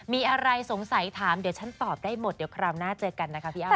มีอะไรสงสัยถามเดี๋ยวฉันตอบได้หมดเดี๋ยวคราวหน้าเจอกันนะคะพี่อ้ำ